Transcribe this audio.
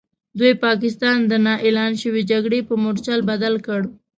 دوی پاکستان د نا اعلان شوې جګړې په مورچل بدل کړ.